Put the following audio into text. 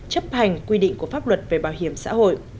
chấp hành quy định của pháp luật về bảo hiểm xã hội